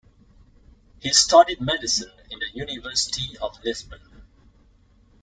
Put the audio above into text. He studied Medicine in the University of Lisbon.